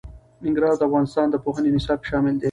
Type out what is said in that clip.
ننګرهار د افغانستان د پوهنې نصاب کې شامل دي.